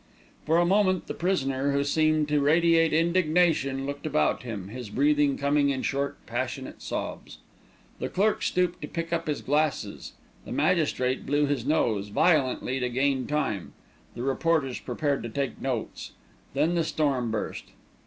For a moment the prisoner, who seemed to radiate indignation, looked about him, his breath coming in short, passionate sobs. The clerk stooped to pick up his glasses, the magistrate blew his nose violently to gain time, the reporters prepared to take notes. Then the storm burst.